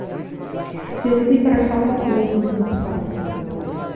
Eu fui para Salvador no ano passado.